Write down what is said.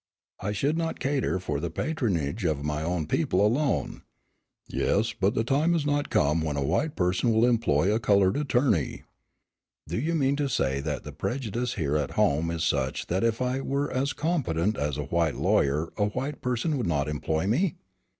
"I should not cater for the patronage of my own people alone." "Yes, but the time has not come when a white person will employ a colored attorney." "Do you mean to say that the prejudice here at home is such that if I were as competent as a white lawyer a white person would not employ me?"